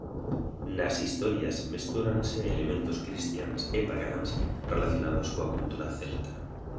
Nas historias mestúranse elementos cristiáns e pagáns relacionados coa cultura celta.